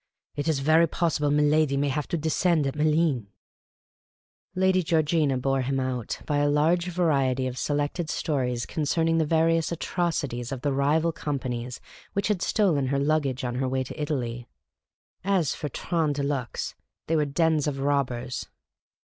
It is very possible miladi may have to descend at Malines." Lady Georgina bore him out by a large variety of selected stories concerning the various atrocities of the rival com panies which had stolen her luggage on her way to Italy. As for traitis dc hixc, they were dens of robbers.